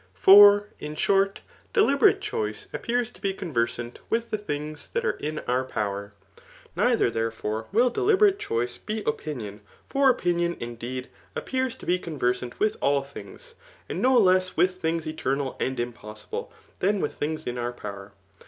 For, in short, deliberate choice appfBU?^ to be conversant with the things that are in our pQW«^ Neither, therefore, will deliberate choice be opipio%| for opinion, indeed, appears to be conversant with a)]^ things, and no less wid^ things eternal and in^)QSsib]% than with things in our power.